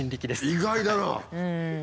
意外だな。